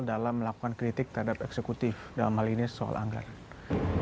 dalam melakukan kritik terhadap eksekutif dalam hal ini soal anggaran